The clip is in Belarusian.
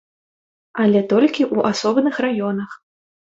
Але толькі ў асобных раёнах.